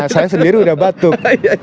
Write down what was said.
saya sendiri sudah batuk